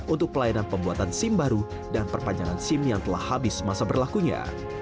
untuk pelayanan pembuatan sim baru dan perpanjangan sim yang telah habis masa berlakunya